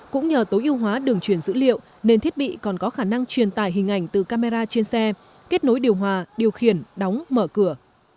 cũng nhờ tối ưu hóa đường truyền dữ liệu nền thiết bị còn có khả năng truyền tải hình ảnh từ camera trên xe kết nối điều hòa điều khiển đóng mở cửa